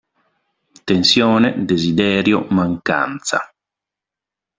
Tensione, desiderio, mancanza.